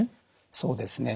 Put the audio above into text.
そうですね。